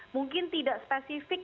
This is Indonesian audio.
mungkin tidak spesifik